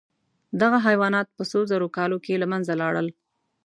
دغه حیوانات په څو زرو کالو کې له منځه لاړل.